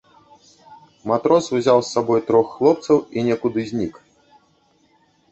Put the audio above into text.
Матрос узяў з сабой трох хлопцаў і некуды знік.